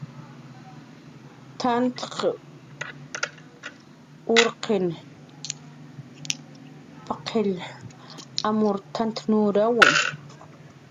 T'ant urkiriq paqill arumw t'ant nurawi